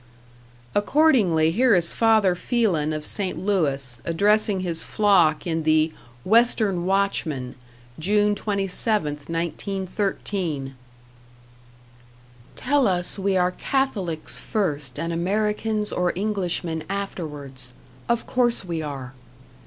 Accordingly, here is Father Phelan of St. Louis, addressing his flock in the "Western Watchman", June 27,1913: Tell us we are Catholics first and Americans or Englishmen afterwards; of course we are.